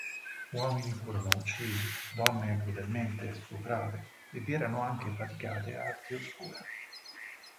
Uomini furono uccisi, donne crudelmente stuprate, e vi erano anche praticate arti oscure.